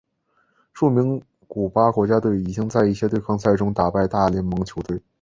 著名古巴国家队已经在一些对抗赛中打败大联盟球队。